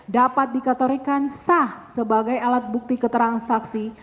dapat dikatorikan sah sebagai alat bukti keterangan saksi